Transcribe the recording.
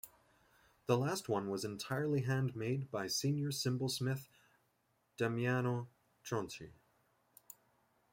The last one was entirely hand made by senior cymbal-smith Damiano Tronci.